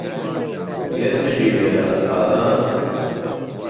گەر بگیرێ له ئهسحابان